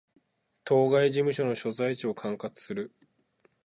当該事務所の所在地を管轄する